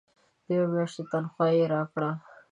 د یوې میاشتي تنخواه یې راکړه.